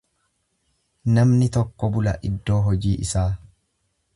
Namni tokko bula iddoo hojii isaa.